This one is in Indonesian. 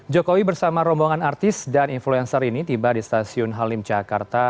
jokowi bersama rombongan artis dan influencer ini tiba di stasiun halim jakarta